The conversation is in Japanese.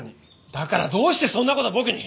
だからどうしてそんな事僕に！